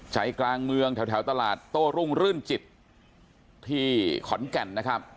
ใจกลางเมืองแถวตลาดโต้รุ่งรื่นจิตที่ขอนแก่นนะครับ